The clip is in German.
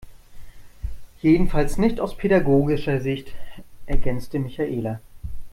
Jedenfalls nicht aus pädagogischer Sicht, ergänzte Michaela.